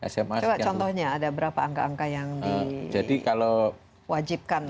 coba contohnya ada berapa angka angka yang diwajibkan